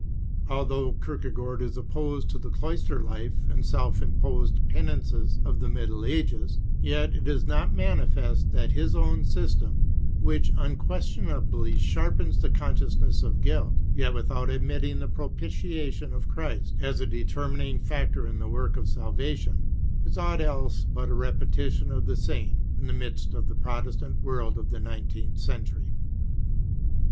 Although Kierkegaard is opposed to the cloister life and self imposed penances of the middle ages, yet it is not manifest that his own system, which unquestionably sharpens the consciousness of guilt, yet without admitting the propitiation of Christ as a determining factor in the work of salvation, is aught else but a repetition of the same, in the midst of the Protestant w^orld nf the nineteenth century.